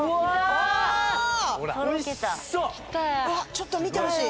ちょっと見てほしい。